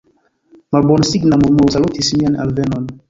Malbonsigna murmuro salutis mian alvenon.